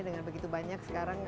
dengan begitu banyak sekarang